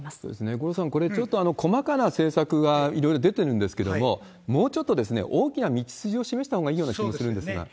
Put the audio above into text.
五郎さん、これちょっと、細かな政策がいろいろ出てるんですけれども、もうちょっと大きな道筋を示したほうがいいような気がするんですそうですね。